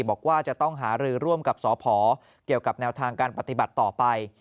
บอกว่าจะต้องหารือร่วมกับสพเกี่ยวกับแนวทางการปฏิบัติต่อไป